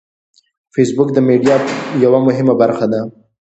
فېسبوک د میډیا یوه مهمه برخه ده